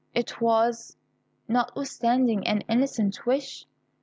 it was, notwithstanding, an innocent wish.